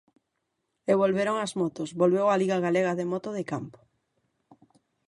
E volveron as motos, volveu a Liga galega de moto de campo.